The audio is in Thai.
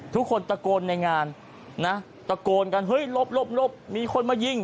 ทุกคนตะโกนในงานนะตะโกนกันเฮ้ยลบมีคนมายิง